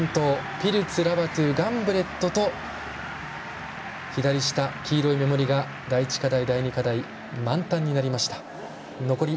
ピルツ、ラバトゥガンブレットと左下、黄色い目盛りが第１課題、第２課題満タンになりました。